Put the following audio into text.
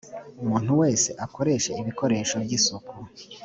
umuntu wese akoresha ibikoresho byisuku.